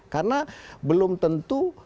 karena belum tentu